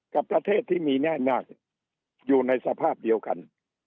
กับประเทศที่มีแน่นาคอยู่ในสภาพเดียวกัน